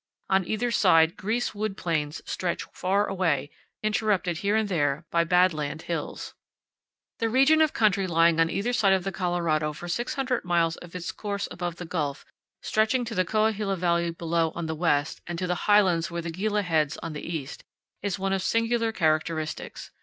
On either side grease wood plains stretch far away, interrupted here and there by bad land hills. 21 powell canyons 4.jpg SAN FRANCISCO PEAK. 22 CANYONS OF THE COLORADO. The region of country lying on either side of the Colorado for six hundred miles of its course above the gulf, stretching to Coahuila Valley below on the west and to the highlands where the Gila heads on the east, is one of singular characteristics.